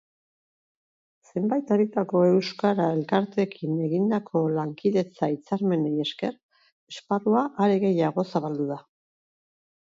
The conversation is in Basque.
Zenbait herritako euskara elkarteekin egindako lankidetza hitzarmenei esker, esparrua are gehiago zabaldu da.